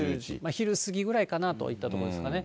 昼過ぎぐらいかなといったところですかね。